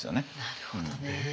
なるほどね。